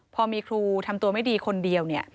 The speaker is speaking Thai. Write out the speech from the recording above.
พอมีครูทำตัวไม่ดีคนเดียวเนี่ย